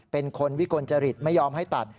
เป็นคนวิกลจริตไม่ยอมให้ตัด